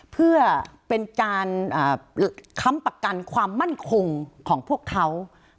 เพื่อเป็นการค้ำประกันความมั่นคงของพวกเขา